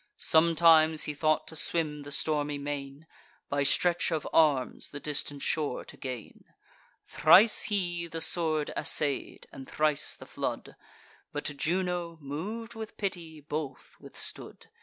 Sometimes he thought to swim the stormy main, By stretch of arms the distant shore to gain. Thrice he the sword assay'd, and thrice the flood; But Juno, mov'd with pity, both withstood.